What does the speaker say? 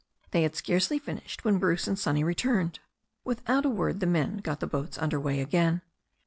They had scarcely finished when Bruce and Sonny re turned. Without a word the men got the boats under way again.